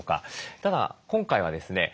ただ今回はですね